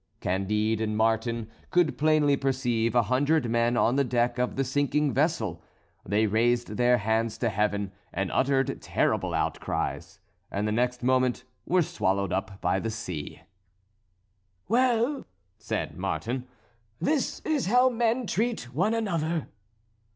Candide and Martin could plainly perceive a hundred men on the deck of the sinking vessel; they raised their hands to heaven and uttered terrible outcries, and the next moment were swallowed up by the sea. "Well," said Martin, "this is how men treat one another."